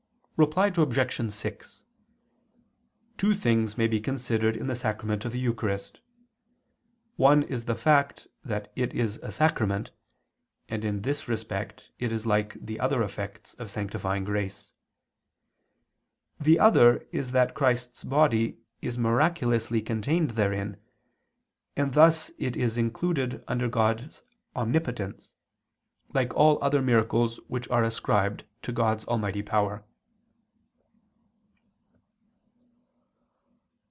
Reply Obj. 6: Two things may be considered in the sacrament of the Eucharist. One is the fact that it is a sacrament, and in this respect it is like the other effects of sanctifying grace. The other is that Christ's body is miraculously contained therein and thus it is included under God's omnipotence, like all other miracles which are ascribed to God's almighty power.